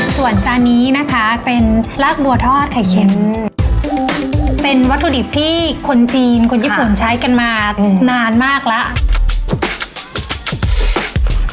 ส่วนจานนี้นะคะเป็นลากบัวทอดไข่เค็มเป็นวัตถุดิบที่คนจีนคนญี่ปุ่นใช้กันมานานมากแล้ว